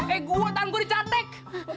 eh gua tangan gua dicatek